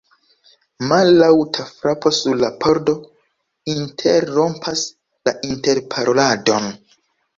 Mallaŭta frapo sur la pordo interrompas la interparoladon.